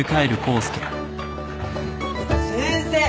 先生！